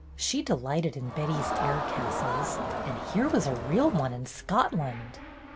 She delighted in Betty's air castles, and here was a real one in Scotland.